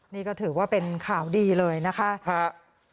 นี่ก็ถือว่าเป็นข่าวดีเลยนะคะ